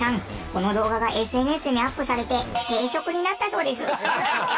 この動画がＳＮＳにアップされて停職になったそうです。